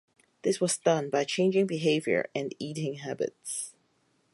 This was done by changing behaviour and eating habits.